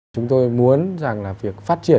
chúng tôi muốn rằng là việc phát triển